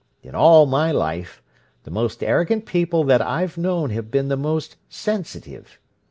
In all my life, the most arrogant people that I've known have been the most sensitive.